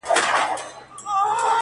• هر يوه يې افسانې بيانولې,